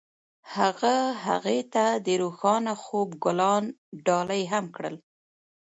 هغه هغې ته د روښانه خوب ګلان ډالۍ هم کړل.